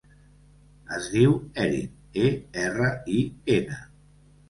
Es diu Erin: e, erra, i, ena.